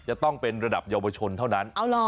จะต้องเป็นระดับเยาวชนเท่านั้น